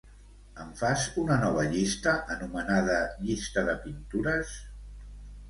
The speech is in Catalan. Em fas una nova llista anomenada "llista de pintures"?